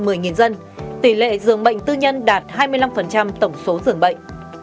bộ công an đề xuất xây dựng ngành công nghiệp dược phẩm trong nước